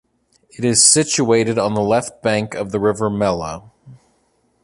It is situated on the left bank of the river Mella.